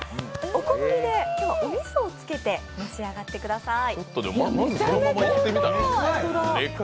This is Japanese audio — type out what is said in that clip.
お好みで、おみそをつけて召し上がってください。